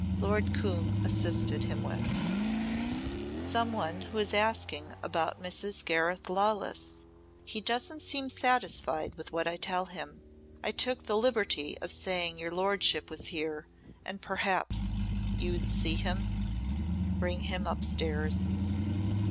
Lord Coombe assisted him with. "Some one who is asking about Mrs. Gareth Lawless. He doesn't seem satisfied with what I tell him. I took the liberty of saying your lordship was here and perhaps you'd see him." "Bring him upstairs."